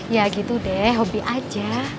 ya gitu deh hobi aja